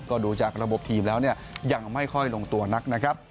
ก็ดูจากระบบทีมแล้วเนี่ยยังไม่ค่อยลงตัวนักนะครับ